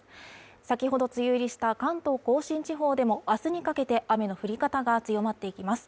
先ほど梅雨入りした関東甲信地方でも明日にかけて雨の降り方が強まっていきます。